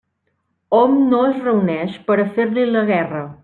Hom no es reuneix per a fer-li la guerra.